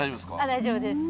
大丈夫です。